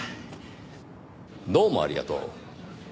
どうもありがとう。